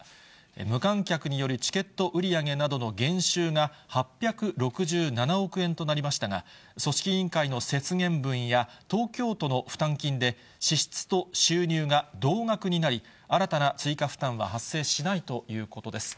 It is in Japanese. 無観客により、チケット売り上げなどの減収が８６７億円となりましたが、組織委員会の節減分や、東京都の負担金で、支出と収入が同額になり、新たな追加負担は発生しないということです。